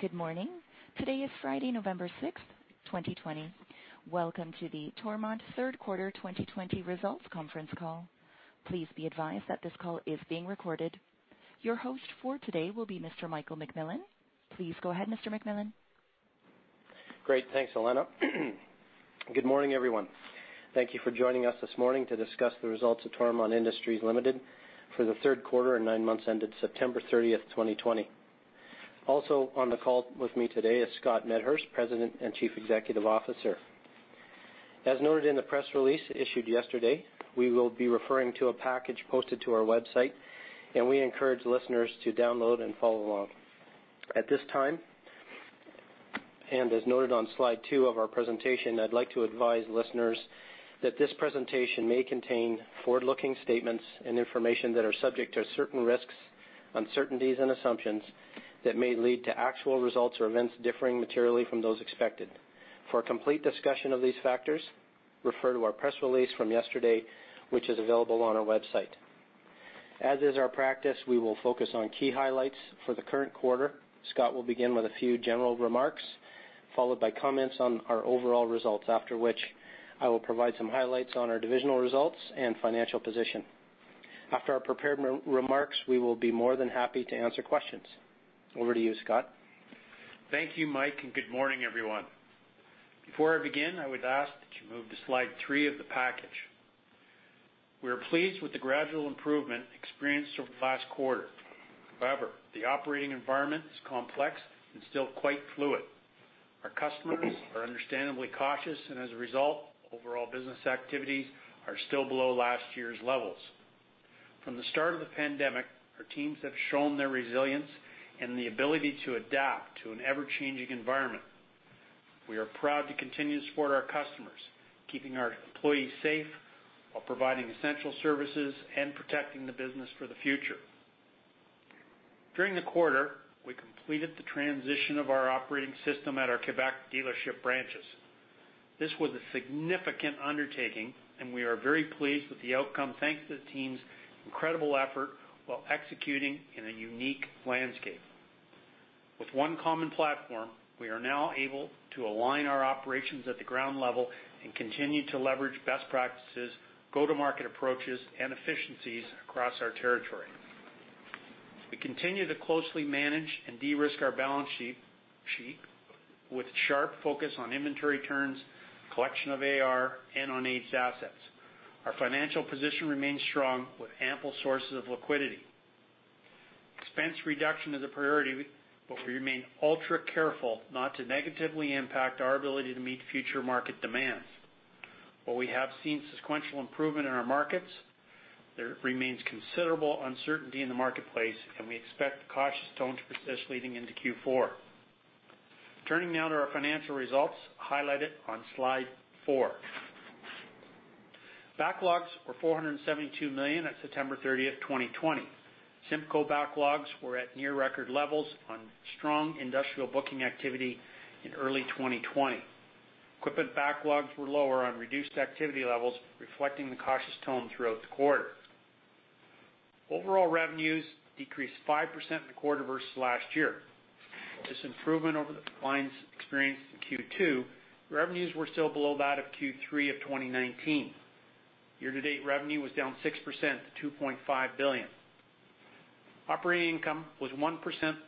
Good morning. Today is Friday, November 6th, 2020. Welcome to the Toromont Third Quarter 2020 Results Conference Call. Please be advised that this call is being recorded. Your host for today will be Mr. Michael McMillan. Please go ahead, Mr. Mike McMillan. Great. Thanks, Elena. Good morning, everyone. Thank you for joining us this morning to discuss the results of Toromont Industries Limited for the third quarter and nine months ended September 30th, 2020. Also on the call with me today is Scott Medhurst, President and Chief Executive Officer. As noted in the press release issued yesterday, we will be referring to a package posted to our website, and we encourage listeners to download and follow along. At this time, as noted on slide two of our presentation, I'd like to advise listeners that this presentation may contain forward-looking statements and information that are subject to certain risks, uncertainties, and assumptions that may lead to actual results or events differing materially from those expected. For a complete discussion of these factors, refer to our press release from yesterday, which is available on our website. As is our practice, we will focus on key highlights for the current quarter. Scott will begin with a few general remarks, followed by comments on our overall results, after which I will provide some highlights on our divisional results and financial position. After our prepared remarks, we will be more than happy to answer questions. Over to you, Scott. Thank you, Mike, and good morning, everyone. Before I begin, I would ask that you move to slide three of the package. We are pleased with the gradual improvement experienced over the last quarter. However, the operating environment is complex and still quite fluid. Our customers are understandably cautious, and as a result, overall business activities are still below last year's levels. From the start of the pandemic, our teams have shown their resilience and the ability to adapt to an ever-changing environment. We are proud to continue to support our customers, keeping our employees safe while providing essential services and protecting the business for the future. During the quarter, we completed the transition of our operating system at our Quebec dealership branches. This was a significant undertaking, and we are very pleased with the outcome, thanks to the team's incredible effort while executing in a unique landscape. With one common platform, we are now able to align our operations at the ground level and continue to leverage best practices, Go-To-Market approaches, and efficiencies across our territory. We continue to closely manage and de-risk our balance sheet with a sharp focus on inventory turns, collection of AR, and on aged assets. Our financial position remains strong with ample sources of liquidity. Expense reduction is a priority, but we remain ultra careful not to negatively impact our ability to meet future market demands. While we have seen sequential improvement in our markets, there remains considerable uncertainty in the marketplace, and we expect the cautious tone to persist leading into Q4. Turning now to our financial results highlighted on slide four. Backlogs were 472 million at September 30th, 2020. CIMCO backlogs were at near record levels on strong industrial booking activity in early 2020. Equipment backlogs were lower on reduced activity levels, reflecting the cautious tone throughout the quarter. Overall revenues decreased 5% in the quarter versus last year. This improvement over the declines experienced in Q2, revenues were still below that of Q3 of 2019. Year-to-date revenue was down 6% to 2.5 billion. Operating income was 1%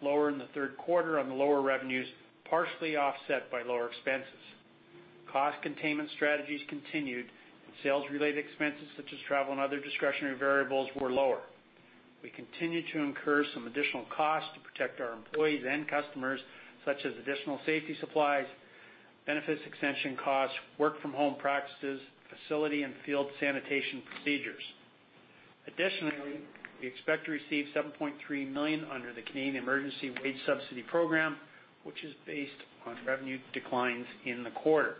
lower in the third quarter on the lower revenues, partially offset by lower expenses. Cost containment strategies continued, sales-related expenses such as travel and other discretionary variables were lower. We continued to incur some additional costs to protect our employees and customers, such as additional safety supplies, benefits extension costs, work-from-home practices, facility and field sanitation procedures. Additionally, we expect to receive 7.3 million under the Canada Emergency Wage Subsidy Program, which is based on revenue declines in the quarter.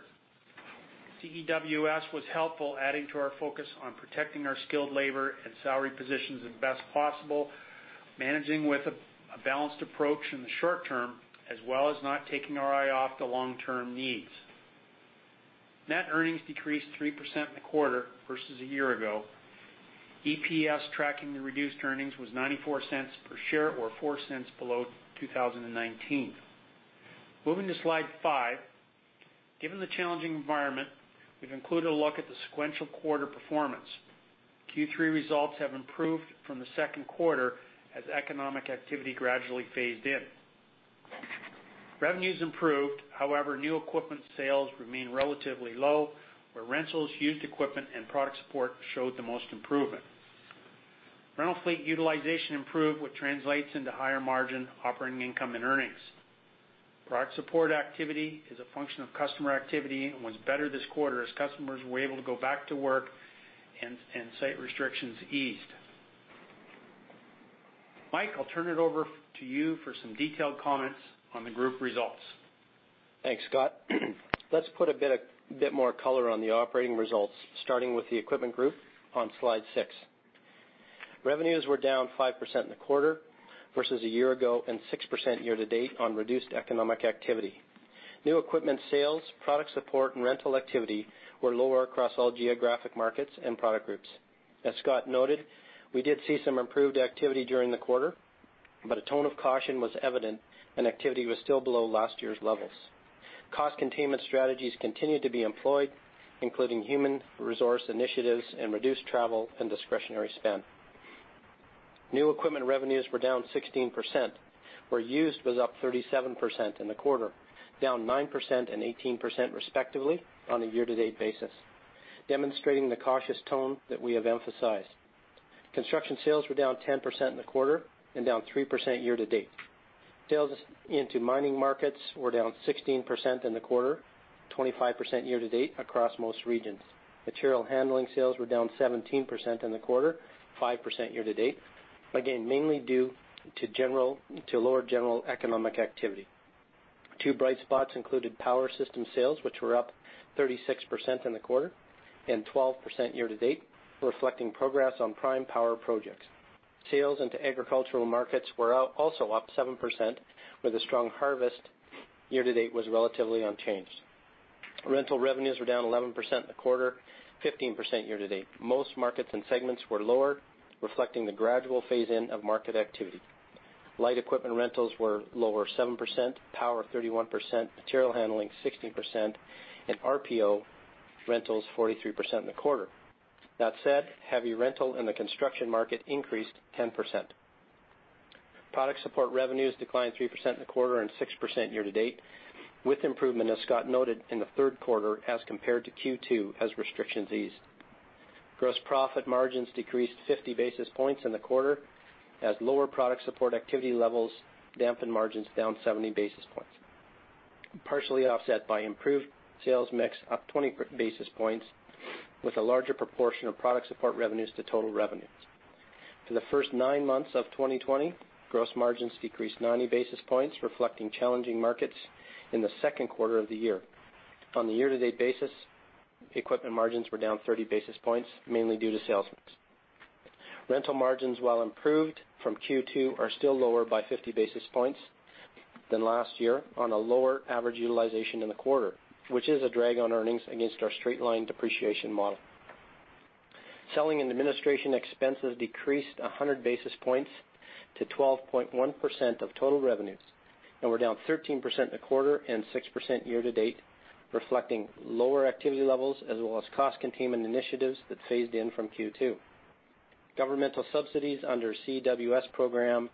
CEWS was helpful adding to our focus on protecting our skilled labor and salary positions as best possible, managing with a balanced approach in the short-term, as well as not taking our eye off the long-term needs. Net earnings decreased 3% in the quarter versus a year ago. EPS tracking the reduced earnings was 0.94 per share or 0.04 below 2019. Moving to slide five. Given the challenging environment, we've included a look at the sequential quarter performance. Q3 results have improved from the second quarter as economic activity gradually phased in. Revenues improved, however, new equipment sales remain relatively low, where rentals, used equipment, and product support showed the most improvement. Rental fleet utilization improved, which translates into higher margin operating income and earnings. Product support activity is a function of customer activity and was better this quarter as customers were able to go back to work and site restrictions eased. Mike, I'll turn it over to you for some detailed comments on the group results. Thanks, Scott. Let's put a bit more color on the operating results, starting with the equipment group on slide six. Revenues were down 5% in the quarter versus a year ago and 6% year-to-date on reduced economic activity. New equipment sales, product support, and rental activity were lower across all geographic markets and product groups. As Scott noted, we did see some improved activity during the quarter, but a tone of caution was evident and activity was still below last year's levels. Cost containment strategies continued to be employed, including human resource initiatives and reduced travel and discretionary spend. New equipment revenues were down 16%, where used was up 37% in the quarter, down 9% and 18% respectively on a year-to-date basis, demonstrating the cautious tone that we have emphasized. Construction sales were down 10% in the quarter and down 3% year-to-date. Sales into mining markets were down 16% in the quarter, 25% year-to-date across most regions. Material handling sales were down 17% in the quarter, 5% year-to-date. Again, mainly due to lower general economic activity. two bright spots included power system sales, which were up 36% in the quarter and 12% year-to-date, reflecting progress on prime power projects. Sales into agricultural markets were also up 7% with a strong harvest, year-to-date was relatively unchanged. Rental revenues were down 11% in the quarter, 15% year-to-date. Most markets and segments were lower, reflecting the gradual phase-in of market activity. Light equipment rentals were lower 7%, power 31%, material handling 16%, and RPO rentals 43% in the quarter. That said, heavy rental in the construction market increased 10%. Product support revenues declined 3% in the quarter and 6% year-to-date, with improvement, as Scott noted, in the third quarter as compared to Q2 as restrictions eased. Gross profit margins decreased 50 basis points in the quarter as lower product support activity levels dampened margins down 70 basis points, partially offset by improved sales mix up 20 basis points with a larger proportion of product support revenues to total revenues. For the first nine months of 2020, gross margins decreased 90 basis points, reflecting challenging markets in the second quarter of the year. On the year-to-date basis, equipment margins were down 30 basis points, mainly due to sales mix. Rental margins, while improved from Q2, are still lower by 50 basis points than last year on a lower average utilization in the quarter, which is a drag on earnings against our straight-line depreciation model. Selling and administration expenses decreased 100 basis points to 12.1% of total revenues and were down 13% in the quarter and 6% year-to-date, reflecting lower activity levels as well as cost containment initiatives that phased in from Q2. Governmental subsidies under CEWS program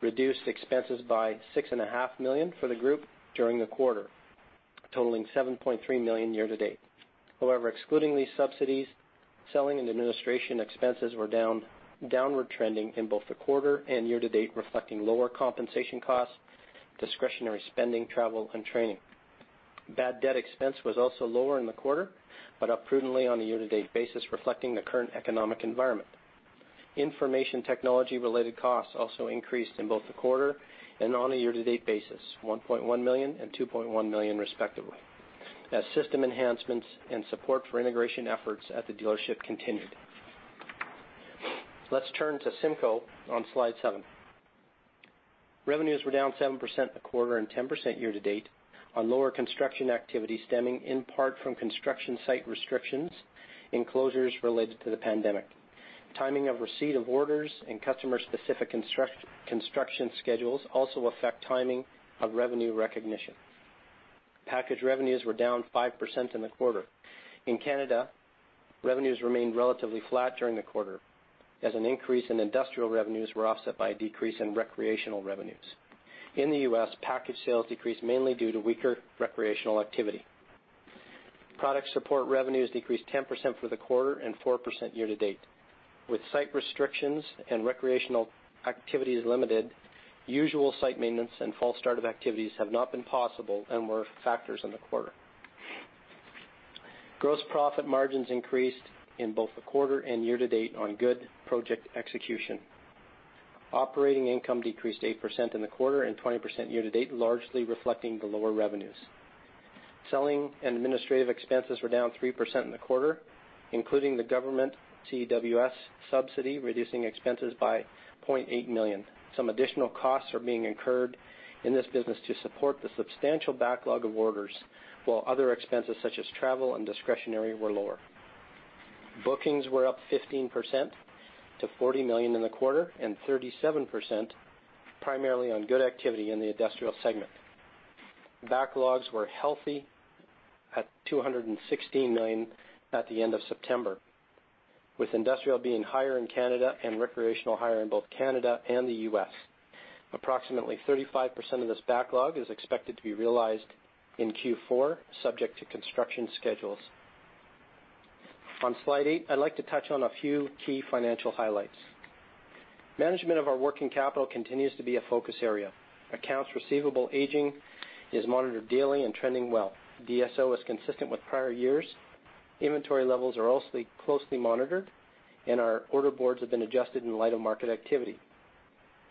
reduced expenses by 6.5 million for the group during the quarter, totaling 7.3 million year-to-date. However, excluding these subsidies, selling and administration expenses were downward trending in both the quarter and year-to-date, reflecting lower compensation costs, discretionary spending, travel, and training. Bad debt expense was also lower in the quarter, but up prudently on the year-to-date basis, reflecting the current economic environment. Information technology related costs also increased in both the quarter and on a year-to-date basis, 1.1 million and 2.1 million respectively, as system enhancements and support for integration efforts at the dealership continued. Let's turn to CIMCO on slide seven. Revenues were down 7% in the quarter and 10% year-to-date on lower construction activity stemming in part from construction site restrictions, enclosures related to the pandemic. Timing of receipt of orders and customer-specific construction schedules also affect timing of revenue recognition. Package revenues were down 5% in the quarter. In Canada, revenues remained relatively flat during the quarter as an increase in industrial revenues were offset by a decrease in recreational revenues. In the U.S., package sales decreased mainly due to weaker recreational activity. Product support revenues decreased 10% for the quarter and 4% year-to-date. With site restrictions and recreational activities limited, usual site maintenance and fall startup activities have not been possible and were factors in the quarter. Gross profit margins increased in both the quarter and year-to-date on good project execution. Operating income decreased 8% in the quarter and 20% year-to-date, largely reflecting the lower revenues. Selling and administrative expenses were down 3% in the quarter, including the government CEWS subsidy, reducing expenses by 0.8 million. Some additional costs are being incurred in this business to support the substantial backlog of orders, while other expenses such as travel and discretionary were lower. Bookings were up 15% to 40 million in the quarter and 37% primarily on good activity in the industrial segment. Backlogs were healthy at 216 million at the end of September, with industrial being higher in Canada and recreational higher in both Canada and the U.S. Approximately 35% of this backlog is expected to be realized in Q4, subject to construction schedules. On slide eight, I'd like to touch on a few key financial highlights. Management of our working capital continues to be a focus area. Accounts receivable aging is monitored daily and trending well. DSO is consistent with prior years. Inventory levels are also closely monitored, and our order boards have been adjusted in light of market activity.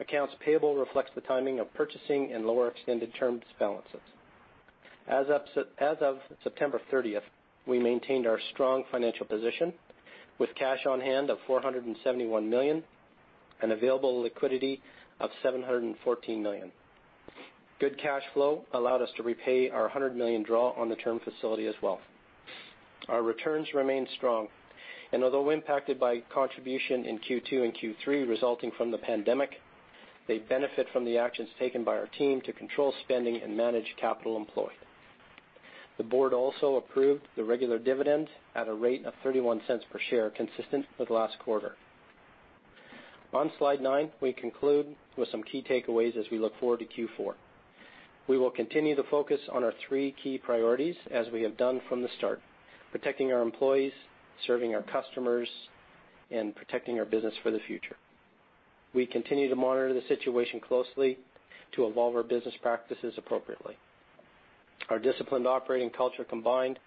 Accounts payable reflects the timing of purchasing and lower extended terms balances. As of September 30th, we maintained our strong financial position with cash on hand of 471 million. Available liquidity of 714 million. Good cash flow allowed us to repay our 100 million draw on the term facility as well. Our returns remain strong, and although impacted by contribution in Q2 and Q3 resulting from the pandemic, they benefit from the actions taken by our team to control spending and manage capital employed. The board also approved the regular dividend at a rate of 0.31 per share, consistent with last quarter. On slide nine, we conclude with some key takeaways as we look forward to Q4. We will continue to focus on our three key priorities as we have done from the start, protecting our employees, serving our customers, and protecting our business for the future. We continue to monitor the situation closely to evolve our business practices appropriately. Our disciplined operating culture, combined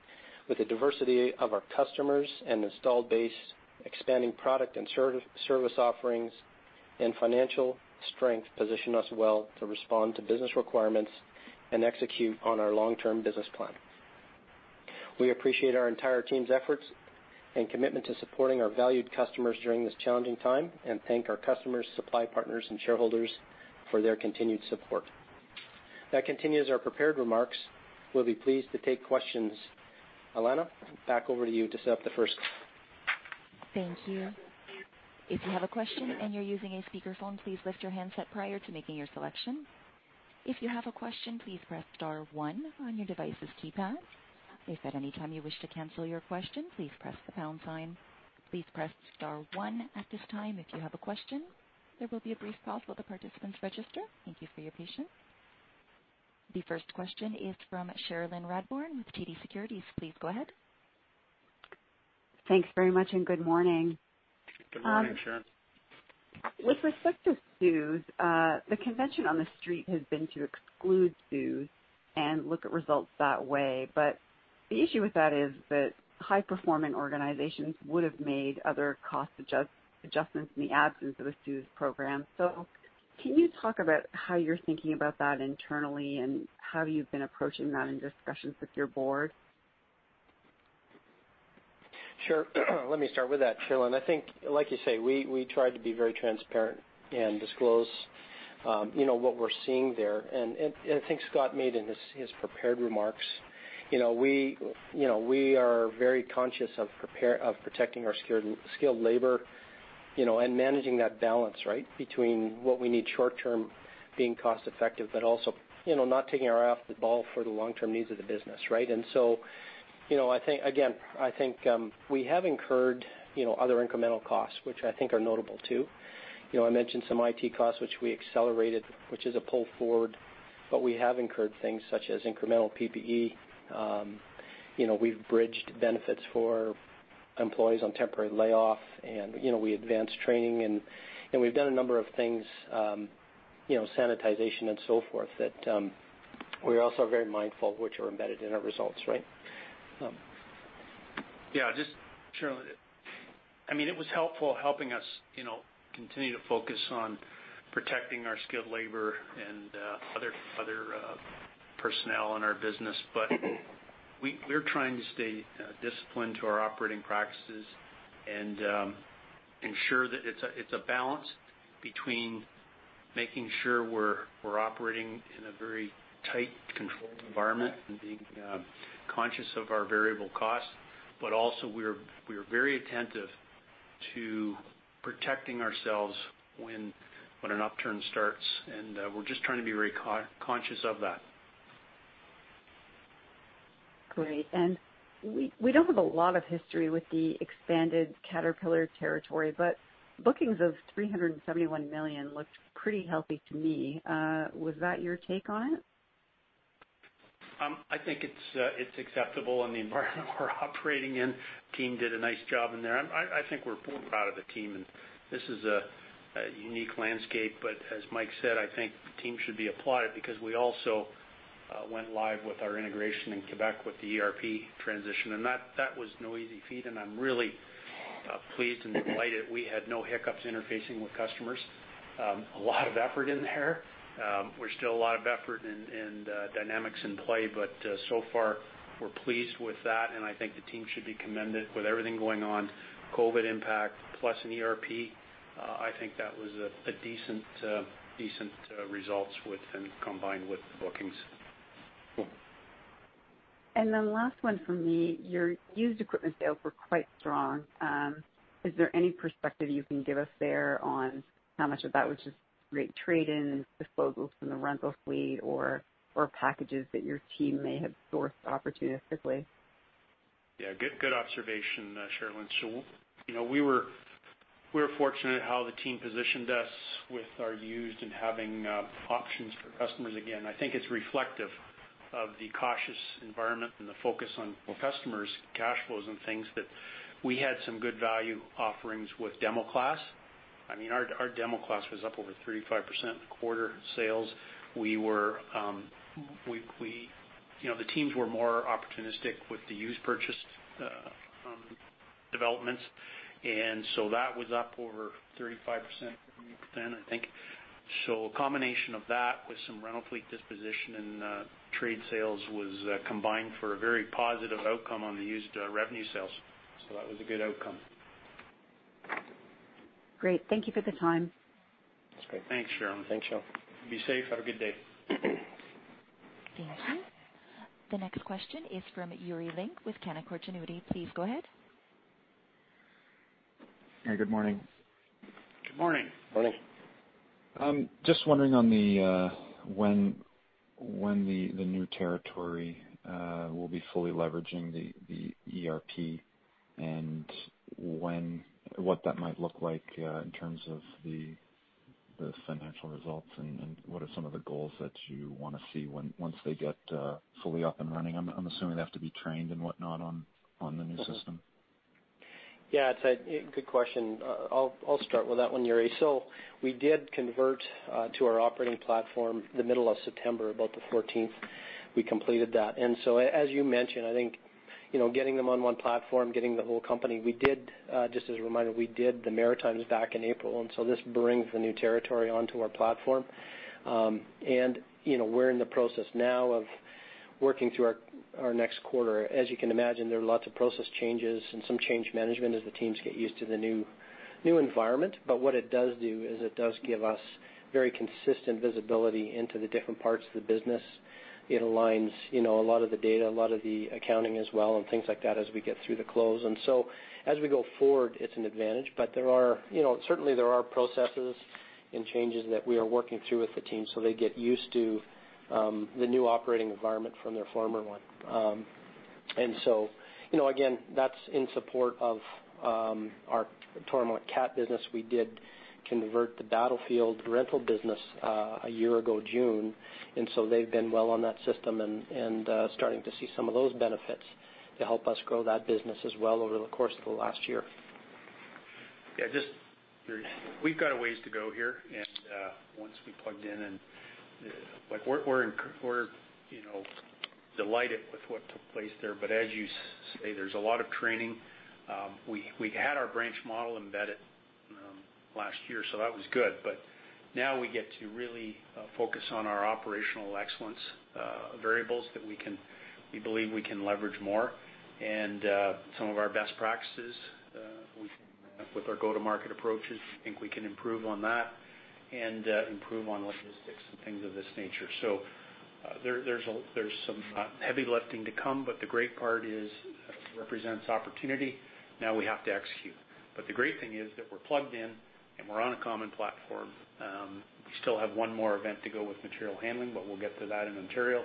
with the diversity of our customers and installed base, expanding product and service offerings, and financial strength, position us well to respond to business requirements and execute on our long-term business plan. We appreciate our entire team's efforts and commitment to supporting our valued customers during this challenging time and thank our customers, supply partners and shareholders for their continued support. That continues our prepared remarks. We'll be pleased to take questions. Elena, back over to you to set up the first. Thank you. If you have a question and you're using a speakerphone, please lift your handset prior to making your selection. If you have a question, please press star one on your device's keypad. If at any time you wish to cancel your question, please press the pound sign. Please press star one at this time if you have a question. There will be a brief pause while the participants register. Thank you for your patience. The first question is from Cherilyn Radbourne with TD Securities. Please go ahead. Thanks very much, and good morning. Good morning, Cherilyn. With respect to CEWS, the convention on the Street has been to exclude CEWS and look at results that way. The issue with that is that high-performing organizations would have made other cost adjustments in the absence of a CEWS program. Can you talk about how you're thinking about that internally and how you've been approaching that in discussions with your board? Sure. Let me start with that, Cherilyn. I think, like you say, we tried to be very transparent and disclose what we're seeing there. I think Scott made in his prepared remarks, we are very conscious of protecting our skilled labor, and managing that balance between what we need short term, being cost effective, but also, not taking our eye off the ball for the long-term needs of the business. Again, I think we have incurred other incremental costs, which I think are notable, too. I mentioned some IT costs, which we accelerated, which is a pull forward. We have incurred things such as incremental PPE. We've bridged benefits for employees on temporary layoff, and we advanced training, and we've done a number of things, sanitization and so forth, that we're also very mindful, which are embedded in our results. Yeah, Cherilyn, it was helpful helping us continue to focus on protecting our skilled labor and other personnel in our business. We're trying to stay disciplined to our operating practices and ensure that it's a balance between making sure we're operating in a very tight, controlled environment and being conscious of our variable costs. Also, we are very attentive to protecting ourselves when an upturn starts, and we're just trying to be very conscious of that. Great. We don't have a lot of history with the expanded Caterpillar territory, but bookings of 371 million looked pretty healthy to me. Was that your take on it? I think it's acceptable in the environment we're operating in. Team did a nice job in there. I think we're proud of the team, and this is a unique landscape, but as Mike said, I think the team should be applauded because we also went live with our integration in Quebec with the ERP transition. That was no easy feat, and I'm really pleased and delighted we had no hiccups interfacing with customers. A lot of effort in there. There's still a lot of effort and dynamics in play, but so far, we're pleased with that, and I think the team should be commended with everything going on, COVID impact plus an ERP. I think that was a decent result combined with bookings. Last one from me. Your used equipment sales were quite strong. Is there any perspective you can give us there on how much of that was just great trade-ins, disposals from the rental fleet, or packages that your team may have sourced opportunistically? Yeah, good observation, Cherilyn. We were fortunate how the team positioned us with our used and having options for customers. Again, I think it's reflective of the cautious environment and the focus on customers' cash flows and things that we had some good value offerings with demo class. Our demo class was up over 35% quarter sales. The teams were more opportunistic with the used purchase developments, and so that was up over 35%-40%, I think. A combination of that with some rental fleet disposition and trade sales was combined for a very positive outcome on the used revenue sales. That was a good outcome. Great. Thank you for the time. That's great. Thanks, Cherilyn. Thanks, Cherilyn. Be safe. Have a good day. Thank you. The next question is from Yuri Lynk with Canaccord Genuity. Please go ahead. Hey, good morning. Good morning. Morning. Just wondering on when the new territory will be fully leveraging the ERP and what that might look like in terms of the financial results and what are some of the goals that you want to see once they get fully up and running? I'm assuming they have to be trained and whatnot on the new system. Yeah, it's a good question. I'll start with that one, Yuri. We did convert to our operating platform the middle of September 14th, we completed that. As you mentioned, I think, getting them on one platform, getting the whole company. Just as a reminder, we did the Maritimes back in April, and so this brings the new territory onto our platform. We're in the process now of working through our next quarter. As you can imagine, there are lots of process changes and some change management as the teams get used to the new environment. What it does do is it does give us very consistent visibility into the different parts of the business. It aligns a lot of the data, a lot of the accounting as well, and things like that as we get through the close. As we go forward, it's an advantage. Certainly there are processes and changes that we are working through with the team so they get used to the new operating environment from their former one. Again, that's in support of our Toromont Cat business. We did convert the Battlefield rental business a year ago June, and so they've been well on that system and starting to see some of those benefits to help us grow that business as well over the course of the last year. Yeah, just, we've got a ways to go here. Once we plugged in and we're delighted with what took place there, but as you say, there's a lot of training. We had our branch model embedded last year, so that was good. Now we get to really focus on our operational excellence, variables that we believe we can leverage more and some of our best practices with our Go-To-Market approaches. I think we can improve on that and improve on logistics and things of this nature. There's some heavy lifting to come, but the great part is it represents opportunity. Now we have to execute. The great thing is that we're plugged in and we're on a common platform. We still have one more event to go with material handling, but we'll get to that in Ontario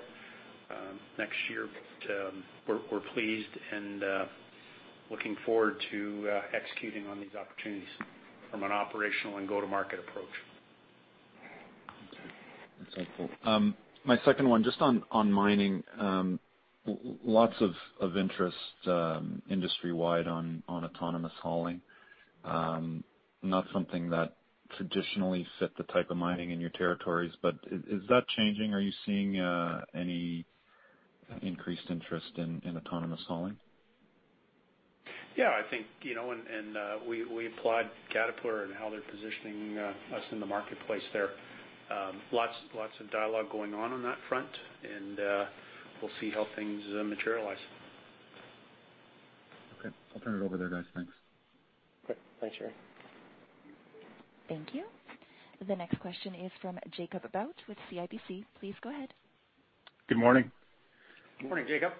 next year. We're pleased and looking forward to executing on these opportunities from an operational and Go-To-Market approach. Okay. That's helpful. My second one, just on mining. Lots of interest industry-wide on autonomous hauling. Not something that traditionally fit the type of mining in your territories, but is that changing? Are you seeing any increased interest in autonomous hauling? We applaud Caterpillar and how they're positioning us in the marketplace there. Lots of dialogue going on on that front, and we'll see how things materialize. Okay. I'll turn it over there, guys. Thanks. Great. Thanks, Yuri. Thank you. The next question is from Jacob Bout with CIBC. Please go ahead. Good morning. Good morning, Jacob.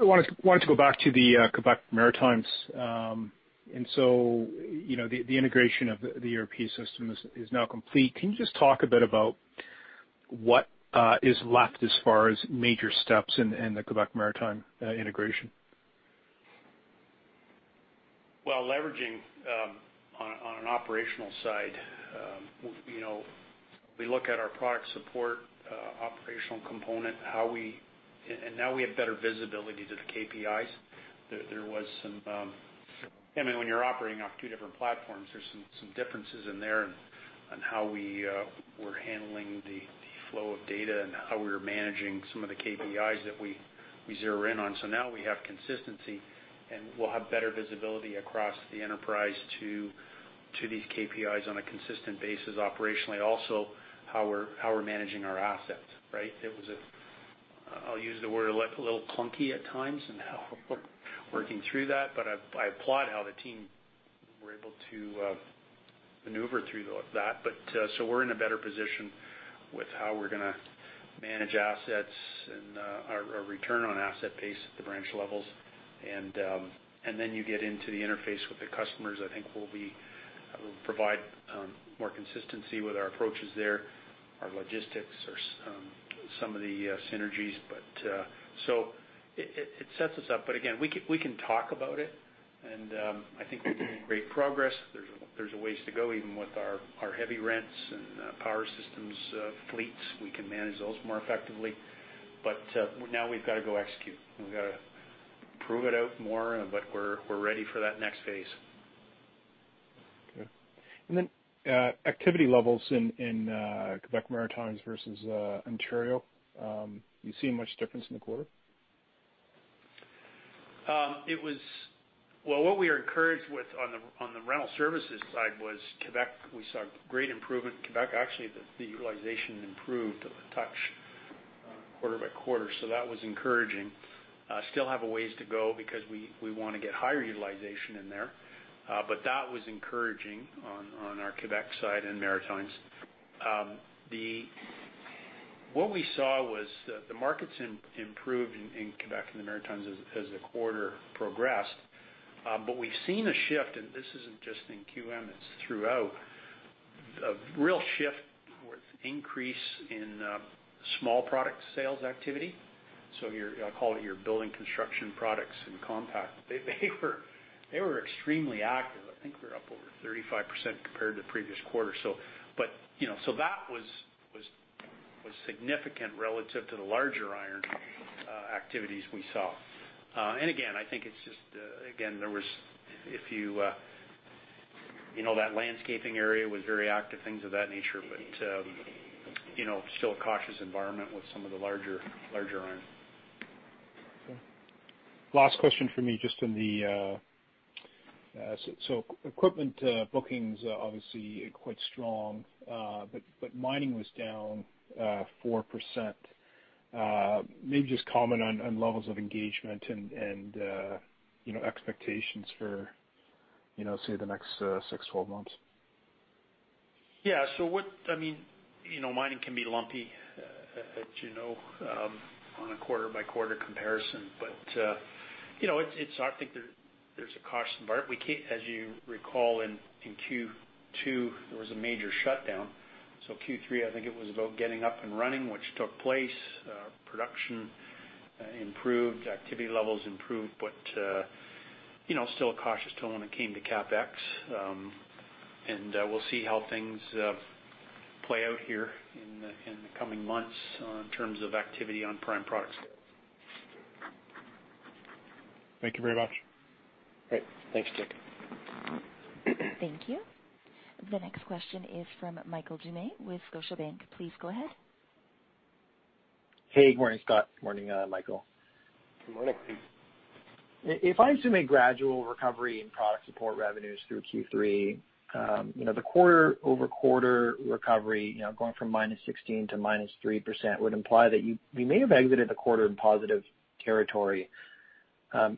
I wanted to go back to the Quebec Maritimes. The integration of the ERP system is now complete. Can you just talk a bit about what is left as far as major steps in the Quebec Maritime integration? Well, leveraging on an operational side, we look at our product support operational component, and now we have better visibility to the KPIs. When you're operating off two different platforms, there's some differences in there on how we were handling the flow of data and how we were managing some of the KPIs that we zero in on. Now we have consistency, and we'll have better visibility across the enterprise to these KPIs on a consistent basis operationally. How we're managing our assets, right? It was, I'll use the word a little clunky at times and how we're working through that. I applaud how the team were able to maneuver through that. We're in a better position with how we're going to manage assets and our return on asset base at the branch levels. You get into the interface with the customers. I think we'll provide more consistency with our approaches there, our logistics, some of the synergies. It sets us up. Again, we can talk about it, and I think we're making great progress. There's a ways to go, even with our heavy rents and power systems fleets. We can manage those more effectively. Now we've got to go execute, and we've got to prove it out more, but we're ready for that next phase. Okay. Activity levels in Quebec Maritimes versus Ontario, do you see much difference in the quarter? Well, what we are encouraged with on the rental services side was Quebec. We saw great improvement in Quebec. Actually, the utilization improved a touch quarter-over-quarter, so that was encouraging. Still have a ways to go because we want to get higher utilization in there. That was encouraging on our Quebec side and Maritimes. What we saw was that the markets improved in Quebec and the Maritimes as the quarter progressed. We've seen a shift, and this isn't just in QM, it's throughout. A real shift with increase in small product sales activity. I call it your building construction products and compact. They were extremely active. I think we were up over 35% compared to previous quarter. That was significant relative to the larger iron activities we saw. Again, I think that landscaping area was very active, things of that nature. Still a cautious environment with some of the larger iron. Okay. Last question from me. Equipment bookings are obviously quite strong. Mining was down 4%. Maybe just comment on levels of engagement and expectations for say, the next 6-12 months. Yeah. Mining can be lumpy, as you know, on a quarter-by-quarter comparison. I think there's a caution mark. As you recall, in Q2, there was a major shutdown. Q3, I think it was about getting up and running, which took place. Production improved, activity levels improved, but still a cautious tone when it came to CapEx. We'll see how things play out here in the coming months in terms of activity on prime product sales. Thank you very much. Great. Thanks, Jake. Thank you. The next question is from Michael Doumet with Scotiabank. Please go ahead. Hey, good morning, Scott. Morning, Michael. Good morning. If I assume a gradual recovery in product support revenues through Q3, the quarter-over-quarter recovery, going from -16% to -3%, would imply that you may have exited the quarter in positive territory.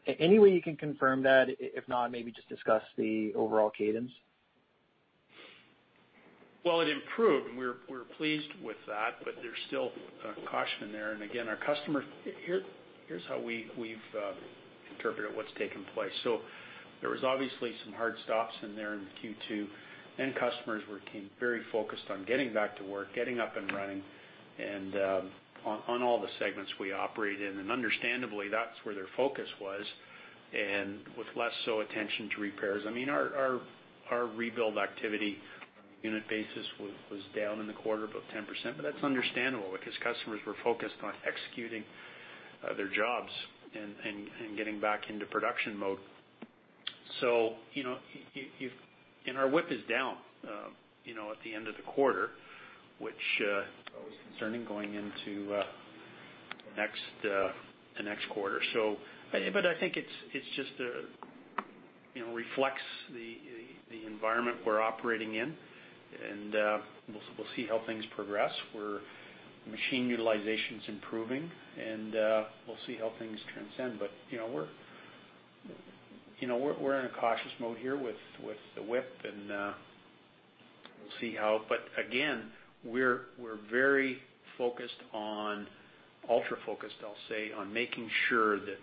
Any way you can confirm that? If not, maybe just discuss the overall cadence. Well, it improved, and we're pleased with that, but there's still caution in there. Again, here's how we've interpreted what's taken place. There was obviously some hard stops in there in Q2. End customers became very focused on getting back to work, getting up and running, and on all the segments we operate in. Understandably, that's where their focus was, and with less so attention to repairs. Our rebuild activity unit basis was down in the quarter, about 10%. That's understandable because customers were focused on executing their jobs and getting back into production mode. Our WIP is down at the end of the quarter, which is always concerning going into the next quarter. I think it just reflects the environment we're operating in, and we'll see how things progress, where machine utilization's improving, and we'll see how things transcend. We're in a cautious mode here with the WIP, and we'll see how. Again, we're very focused on, ultra-focused, I'll say, on making sure that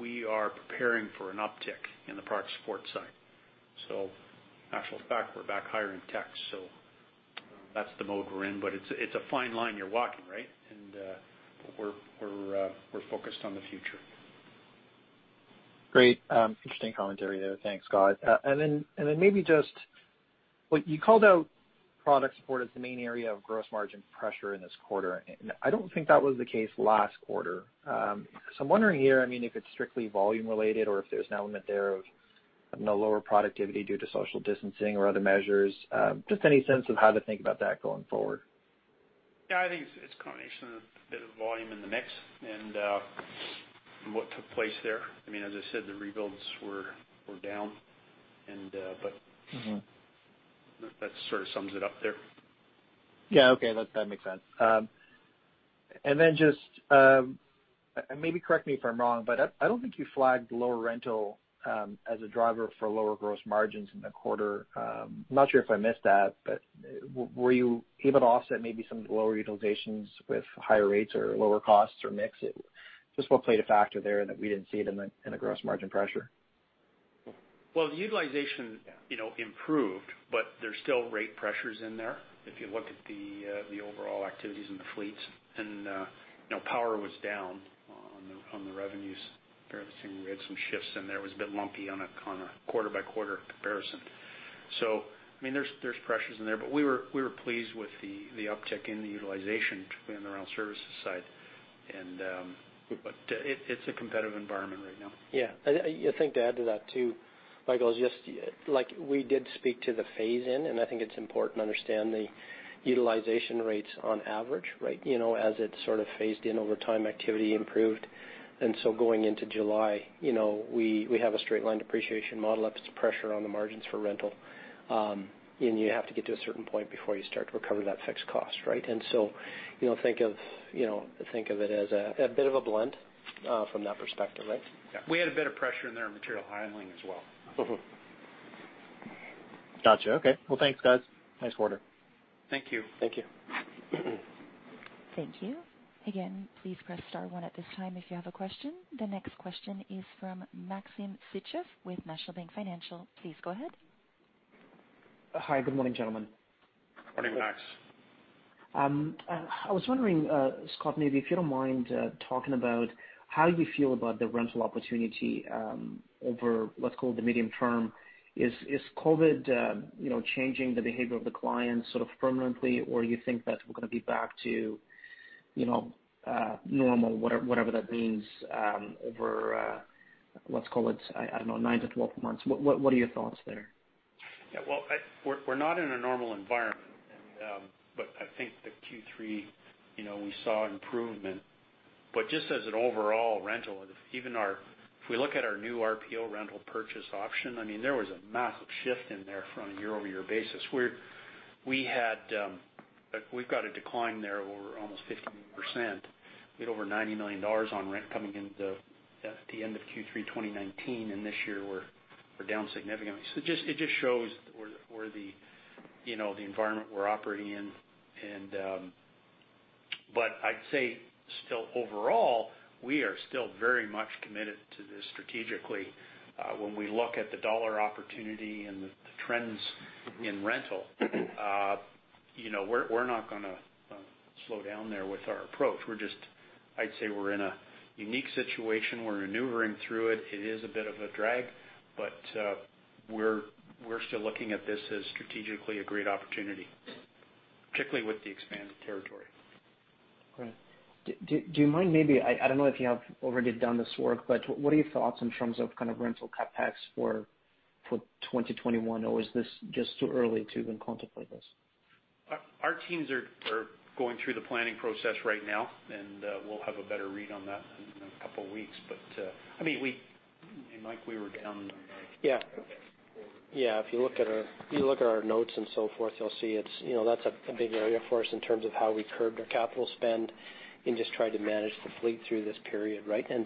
we are preparing for an uptick in the product support side. Actual fact, we're back hiring techs, so that's the mode we're in. It's a fine line you're walking, right? We're focused on the future. Great. Interesting commentary there. Thanks, Scott. Maybe just what you called out product support as the main area of gross margin pressure in this quarter. I don't think that was the case last quarter. I'm wondering here, if it's strictly volume related or if there's an element there of lower productivity due to social distancing or other measures. Just any sense of how to think about that going forward. Yeah, I think it's a combination of a bit of volume in the mix and what took place there. As I said, the rebuilds were down that sort of sums it up there. Yeah. Okay. That makes sense. Just, maybe correct me if I'm wrong, I don't think you flagged lower rental as a driver for lower gross margins in the quarter. I'm not sure if I missed that, were you able to offset maybe some of the lower utilizations with higher rates or lower costs or mix? Just what played a factor there that we didn't see it in the gross margin pressure? The utilization improved, but there's still rate pressures in there if you look at the overall activities in the fleets. Power was down on the revenues there. We had some shifts in there. It was a bit lumpy on a quarter-by-quarter comparison. There's pressures in there, but we were pleased with the uptick in the utilization between the rental services side. It's a competitive environment right now. Yeah. I think to add to that, too. Michael, we did speak to the phase-in. I think it's important to understand the utilization rates on average, right? As it sort of phased in over time, activity improved. Going into July, we have a straight-line depreciation model that puts pressure on the margins for rental. You have to get to a certain point before you start to recover that fixed cost, right? Think of it as a bit of a blend from that perspective, right? Yeah. We had a bit of pressure in our material handling as well. Got you. Okay. Well, thanks guys. Nice quarter. Thank you. Thank you. Thank you. Again, please press star one at this time if you have a question. The next question is from Maxim Sytchev with National Bank Financial. Please go ahead. Hi. Good morning, gentlemen. Morning, Max. Morning, Max. I was wondering, Scott, maybe if you don't mind talking about how you feel about the rental opportunity over let's call it the medium term. Is COVID changing the behavior of the client sort of permanently, or you think that we're going to be back to normal, whatever that means, over, let's call it, I don't know, 9-12 months? What are your thoughts there? Yeah. We're not in a normal environment. I think that Q3 we saw improvement. Just as an overall rental, if we look at our new RPO rental purchase option, there was a massive shift in there from a year-over-year basis where we've got a decline there over almost 50%. We had over 90 million dollars on rent coming in at the end of Q3 2019, and this year we're down significantly. It just shows the environment we're operating in. I'd say still overall, we are still very much committed to this strategically. When we look at the dollar opportunity and the trends in rental, we're not going to slow down there with our approach. I'd say we're in a unique situation. We're maneuvering through it. It is a bit of a drag, but we're still looking at this as strategically a great opportunity, particularly with the expanded territory. Great. Do you mind maybe, I don't know if you have already done this work, but what are your thoughts in terms of rental CapEx for 2021? Is this just too early to even contemplate this? Our teams are going through the planning process right now, and we'll have a better read on that in a couple of weeks. Mike, we were down... Yeah. If you look at our notes and so forth, you'll see that's a big area for us in terms of how we curb our capital spend and just try to manage the fleet through this period, right? An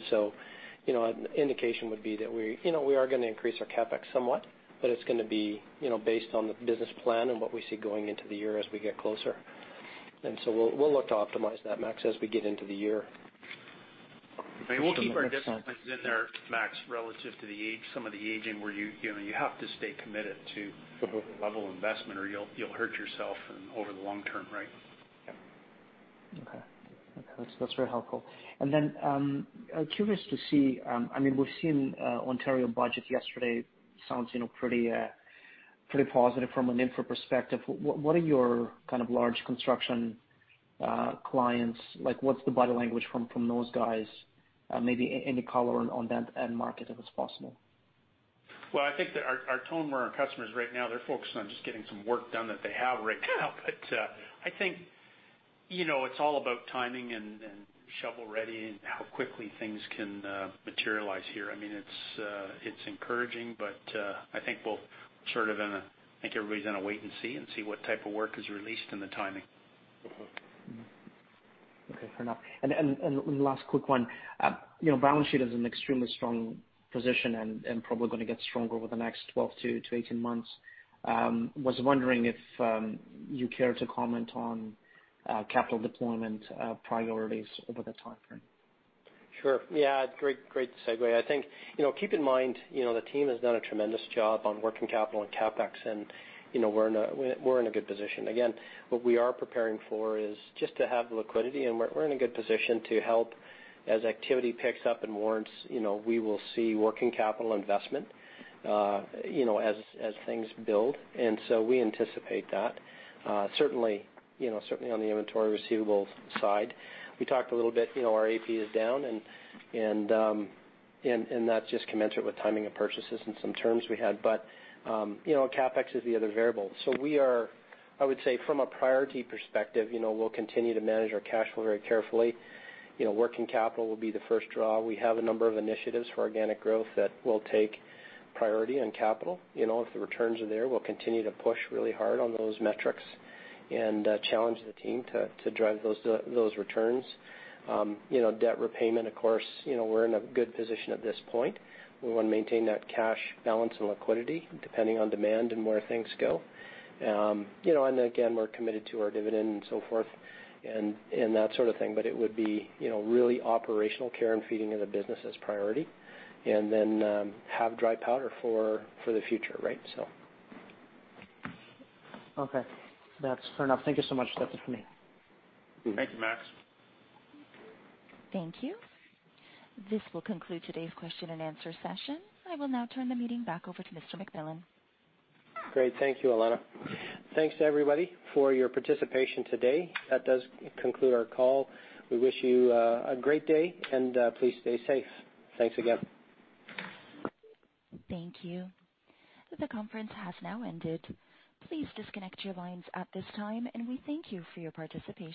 indication would be that we are going to increase our CapEx somewhat, but it's going to be based on the business plan and what we see going into the year as we get closer. We'll look to optimize that, Max, as we get into the year. We'll keep our disciplines in there, Max, relative to some of the aging where you have to stay committed to level investment, or you'll hurt yourself over the long term, right? Yeah. Okay. That's very helpful. Curious to see, we've seen Ontario budget yesterday sounds pretty positive from an infra perspective. What are your large construction clients, what's the body language from those guys? Maybe any color on that end market, if it's possible? Well, I think that our tone with our customers right now, they're focused on just getting some work done that they have right now. I think it's all about timing and shovel-ready and how quickly things can materialize here. It's encouraging, but I think everybody's going to wait and see, and see what type of work is released and the timing. Okay, fair enough. The last quick one. Balance sheet is in extremely strong position and probably going to get stronger over the next 12-18 months. Was wondering if you care to comment on capital deployment priorities over the time frame? Sure. Yeah. Great segue. I think, keep in mind, the team has done a tremendous job on working capital and CapEx, and we're in a good position. Again, what we are preparing for is just to have liquidity, and we're in a good position to help. As activity picks up and warrants, we will see working capital investment as things build. We anticipate that. Certainly on the inventory receivables side. We talked a little bit, our AP is down, and that's just commensurate with timing of purchases and some terms we had. CapEx is the other variable. We are, I would say, from a priority perspective, we'll continue to manage our cash flow very carefully. Working capital will be the first draw. We have a number of initiatives for organic growth that will take priority on capital. If the returns are there, we'll continue to push really hard on those metrics and challenge the team to drive those returns. Debt repayment, of course, we're in a good position at this point. We want to maintain that cash balance and liquidity depending on demand and where things go. Again, we're committed to our dividend and so forth and that sort of thing. It would be really operational care and feeding of the business as priority, and then have dry powder for the future, right? Okay. That's fair enough. Thank you so much. That's it for me. Thank you, Max. Thank you. This will conclude today's question-and-answer session. I will now turn the meeting back over to Mr. McMillan. Great. Thank you, Elena. Thanks to everybody for your participation today. That does conclude our call. We wish you a great day, and please stay safe. Thanks again. Thank you. The conference has now ended. Please disconnect your lines at this time, and we thank you for your participation.